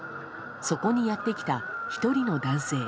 そこにやってきた１人の男性。